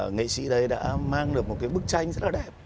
nghệ sĩ đấy đã mang được một cái bức tranh rất là đẹp